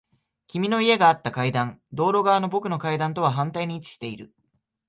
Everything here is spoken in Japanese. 君の家があった階段。道路側の僕の階段とは反対に位置している。